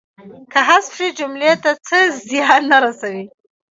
که حذف شي جملې ته څه زیان نه رسوي.